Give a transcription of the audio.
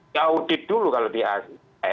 kita audit dulu kalau di as